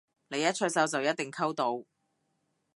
你一出手就一定溝到？